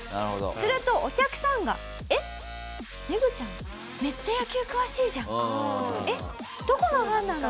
するとお客さんが「えっメグちゃんめっちゃ野球詳しいじゃん」「えっどこのファンなの？